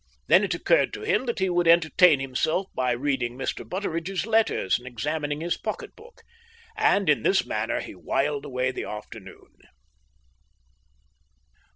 Then it occurred to him that he would entertain himself by reading Mr. Butteridge's letters and examining his pocket book, and in this manner he whiled away the afternoon.